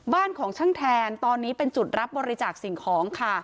บ้านของช่างแทนตอนนี้เป็นจุดรับบริจาคสิ่งของค่ะ